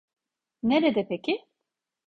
Nerede peki?